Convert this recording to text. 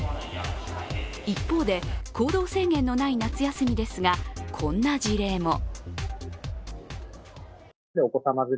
一方で行動制限のない夏休みですが、こんな事例も。